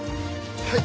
はい。